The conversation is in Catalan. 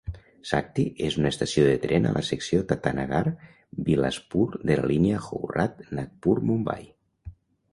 Sakti és una estació de tren a la secció Tatanagar-Bilaspur de la línia Howrah-Nagpur-Mumbai.